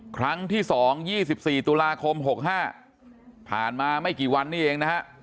ครั้งที่๒๒๔ตุลาคม๖๕ผ่านมาไม่กี่วันนี้เองนะฮะ